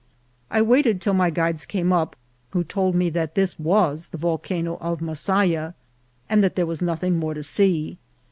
I waited till my guides came up, who told me that this was the Volcano of Masaya, and that there was nothing more to see.